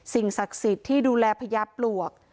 ศักดิ์สิทธิ์ที่ดูแลพญาปลวก